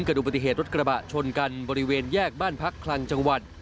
ดูปฏิเหตุรถกระบะชนกันบริเวณแยกบ้านพักคลังจังหวัด